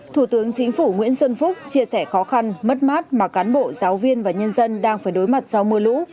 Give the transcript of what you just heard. thủ tướng chính phủ nguyễn xuân phúc chia sẻ khó khăn mất mát mà cán bộ giáo viên và nhân dân đang phải đối mặt do mưa lũ